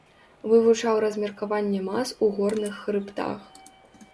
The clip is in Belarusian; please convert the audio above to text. Вывучаў размеркаванне мас у горных хрыбтах.